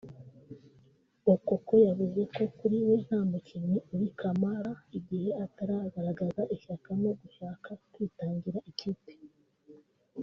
Okoko yavuze ko kuri we nta mukinnyi uri kamara igihe atagaragaza ishyaka no gushaka kwitangira ikipe